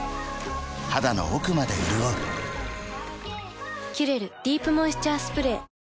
肌の奥まで潤う「キュレルディープモイスチャースプレー」